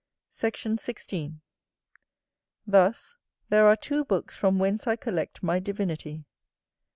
Sect. 16. Thus there are two books from whence I collect my divinity.